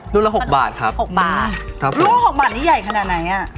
ลูกละ๖บาทครับ๖บาทลูกละ๖บาทนี่ใหญ่ขนาดไหนอะ